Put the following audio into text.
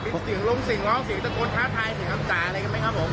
บิดเสืองลงสีง้องสีกตะโกนท้าทายหมายถามจ่ายอะไรกันไหมครับผม